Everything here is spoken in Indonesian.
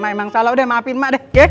emang salah udah maafin emak deh